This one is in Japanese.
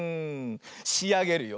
しあげるよ。